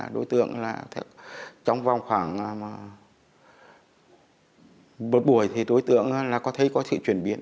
đối tượng là trong vòng khoảng một buổi thì đối tượng có thấy có sự chuyển biến